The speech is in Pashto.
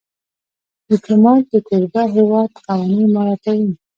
ډيپلومات د کوربه هېواد قوانین مراعاتوي.